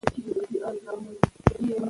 که سیالي وي نو همت نه مري.